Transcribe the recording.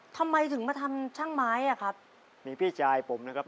ทำไมถึงมาทำช่างไม้อ่ะครับมีพี่ชายผมนะครับ